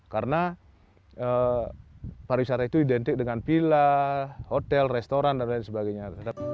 karena para wisata itu identik dengan villa hotel restoran dan lain sebagainya